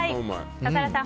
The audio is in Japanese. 笠原さん